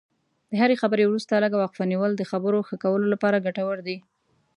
د هرې خبرې وروسته لږه وقفه نیول د خبرو ښه کولو لپاره ګټور دي.